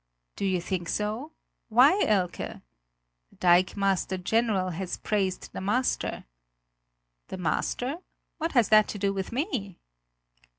"Do you think so? Why, Elke?" "The dikemaster general has praised the master!" "The master? What has that to do with me?"